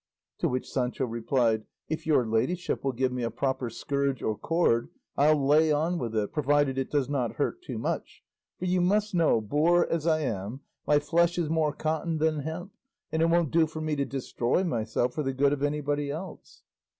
To which Sancho replied, "If your ladyship will give me a proper scourge or cord, I'll lay on with it, provided it does not hurt too much; for you must know, boor as I am, my flesh is more cotton than hemp, and it won't do for me to destroy myself for the good of anybody else."